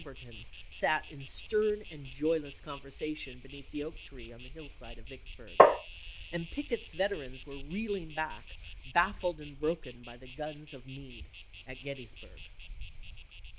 berton sat in stern and joyless conversation be neath the oak tree on the hillside of Vicksburg, and Pickett's veterans were reeling back, baffled and broken by the guns of Meade at Gettysburg.